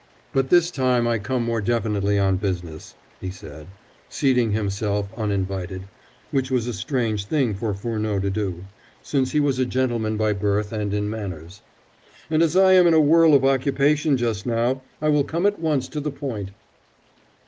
"But this time I come more definitely on business," he said, seating himself uninvited, which was a strange thing for Furneaux to do, since he was a gentleman by birth and in manners, "and as I am in a whirl of occupation just now, I will come at once to the point."